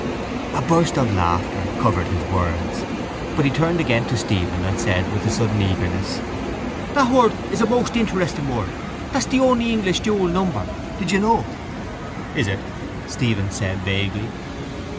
A burst of laughter covered his words. But he turned again to Stephen and said with a sudden eagerness: —That word is a most interesting word. That's the only English dual number. Did you know? —Is it? Stephen said vaguely.